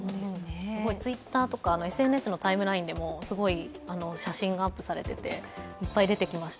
ＴｗｉｔｔｅｒとかＳＮＳのタイムラインでもすごい写真がアップされてて、いっぱい出てきました。